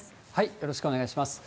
よろしくお願いします。